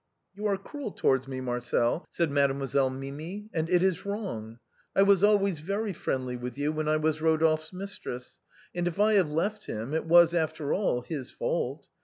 " You are cruel towards me, Marcel," said Mademoiselle Mimi, " and it is wrong. I was always very friendly with you when I was Eodolphe's mistress, and if I have left him, it was, after all, his fault.